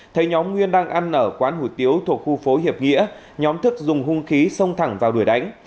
thấy nhóm nguyên đang ăn ở quán hủ tiếu thuộc khu phố hiệp nghĩa nhóm thức dùng hung khí xông thẳng vào đuổi đánh